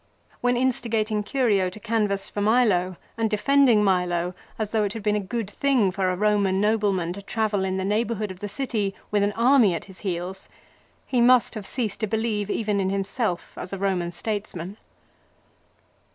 When instigating Curio to canvass for Milo and defending Milo as though it had been a good thing for a Roman nobleman to travel in the neighbourhood of the city with an army at his heels, he must have ceased to believe even in himself as a Roman statesman.